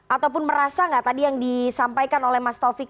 ataupun merasa nggak tadi yang disampaikan oleh mas taufik